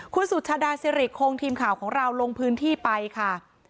คุณสุชาดาสิริคงทีมข่าวของเราลงพื้นที่ไปค่ะ